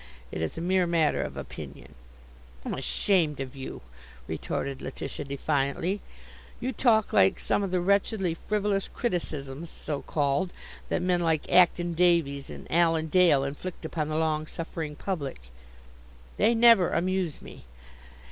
It is a mere matter of opinion." "I'm ashamed of you," retorted Letitia defiantly. "You talk like some of the wretchedly frivolous criticisms, so called, that men like Acton Davies and Alan Dale inflict upon the long suffering public. They never amuse me.